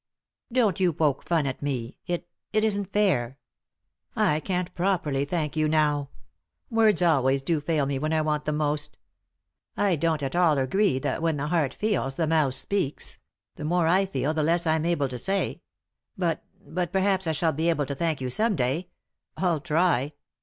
"Don't you poke fun at me, it — it isn't fair. I can't properly thank you now ; words always do fail me when I want them most. I don't at all agree that what the heart feels the mouth speaks — the more I feel the less I'm able to say ; but — but perhaps 1 shall be able to thank you some day — I'll try.